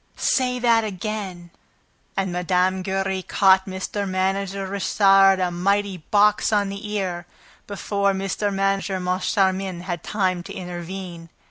"Say that again!" And Mme. Giry caught Mr. Manager Richard a mighty box on the ear, before Mr. Manager Moncharmin had time to intervene.